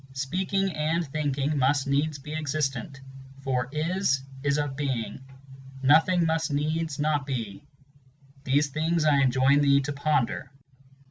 1 2 Speaking and thinking must needs be existent, for is is of Being. Nothing must needs not be; these things I enjoin thee to ponder.